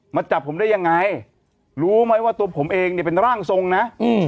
มาจับผมได้ยังไงรู้ไหมว่าตัวผมเองเนี่ยเป็นร่างทรงนะอืม